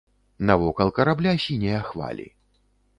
Навокал карабля сінія хвалі.